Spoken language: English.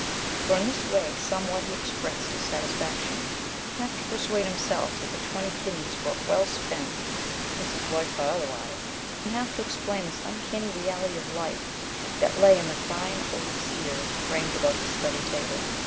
For in this way somewhat he expressed his satisfaction, half to persuade himself that the twenty guineas were well spent (since his wife thought otherwise), and half to explain this uncanny reality of life that lay in the fine old cedar framed above his study table.